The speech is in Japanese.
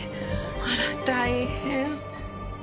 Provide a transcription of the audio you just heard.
あら大変！